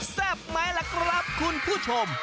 ไหมล่ะครับคุณผู้ชม